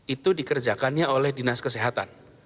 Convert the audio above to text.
itu dikerjakannya oleh dinas kesehatan